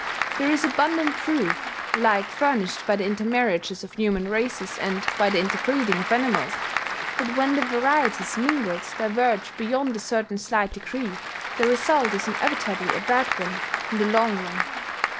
There is abundant proof, alike furnished by the intermarriages of human races and by the interbreeding of animals, that when the varieties mingled diverge beyond a certain slight degree the result is inevitably a bad one in the long run.